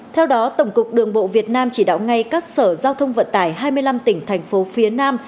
theo đó tổng cục đường bộ việt nam chỉ đạo ngay các sở giao thông vận tải hai mươi năm tỉnh thành phố phía nam